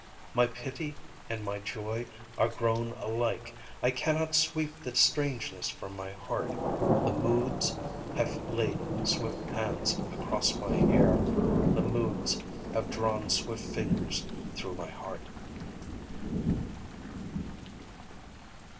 My pity and my joy are grown alike. I cannot sweep the strangeness from my heart. The Moods have laid swift hands across my hair: The Moods have drawn swift fingers through my heart.